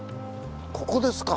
ここですか！